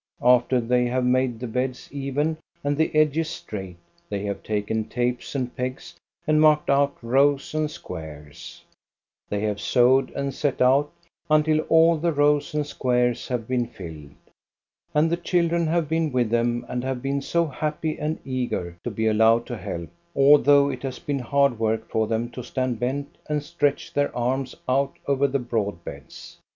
After they have made the beds even and the edges straight they have taken tapes and pegs and marked out rows and squares. they have sowed and set out, until all the rows 294 THE STORY OF GOSTA BE RUNG and squares have been filled. And the children have been with them and have been so happy and eager to be allowed to help, although it has been hard work for them to stand bent and stretch their arms out over the broad beds.